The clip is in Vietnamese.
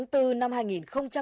được trung ương bầu vào bộ chính trị